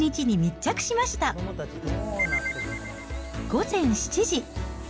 午前７時。